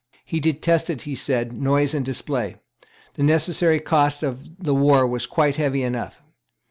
He detested, he said, noise and display. The necessary cost of the war was quite heavy enough.